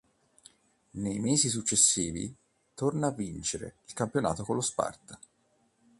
Nei mesi successivi, torna a vincere il campionato con lo Sparta.